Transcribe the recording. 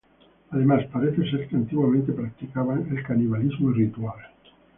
Además, parece ser que antiguamente practicaban el canibalismo ritual.